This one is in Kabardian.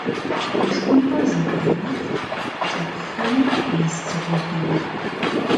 Мышхумпӏэр зэбгырах кӏэпхъхэми, мэз дзыгъуэхэми.